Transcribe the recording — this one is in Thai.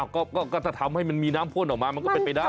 ก็ถ้าทำให้มันมีน้ำพ่นออกมามันก็เป็นไปได้